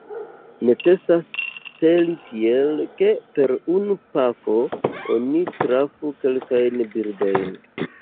Necesas celi tiel, ke per unu pafo oni trafu kelkajn birdojn.